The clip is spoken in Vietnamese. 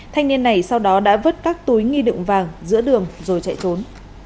thanh niên này sau đó đã vứt các túi nghi đựng vàng giữa đường rồi chạy trốn